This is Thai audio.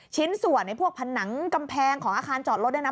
ชิ้นส่วนไอ้พวกผนังกำแพงของอาคารจอดรถด้วยนะ